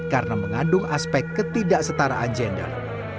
karena mengandung aspek ketidaksetaraan gender